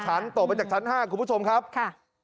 ตกไปจากชั้น๕คุณผู้ชมครับค่ะ